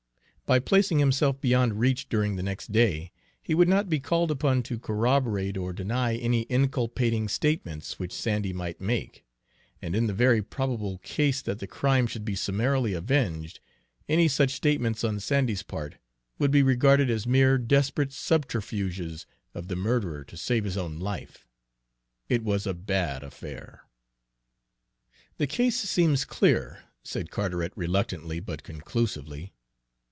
By placing himself beyond reach during the next day, he would not be called upon to corroborate or deny any inculpating statements which Sandy might make, and in the very probable case that the crime should be summarily avenged, any such statements on Sandy's part would be regarded as mere desperate subterfuges of the murderer to save his own life. It was a bad affair. "The case seems clear," said Carteret reluctantly but conclusively.